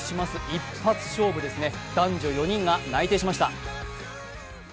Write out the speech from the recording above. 一発勝負ですね、男女４人が内定しました。